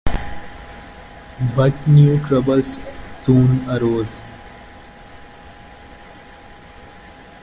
But new troubles soon arose.